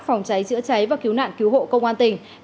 phòng cháy chữa cháy và cứu nạn cứu hộ công an tỉnh